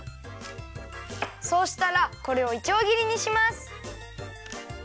そうしたらこれをいちょうぎりにします。